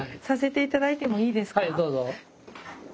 はいどうぞ。